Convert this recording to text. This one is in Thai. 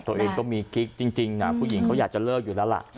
ตัวเองก็มีกิ๊กจริงผู้หญิงเขาอยากจะเลิกอยู่แล้วล่ะ